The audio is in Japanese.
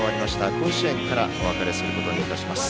甲子園からお別れすることにいたします。